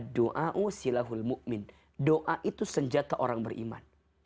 doa itu senjata orang beriman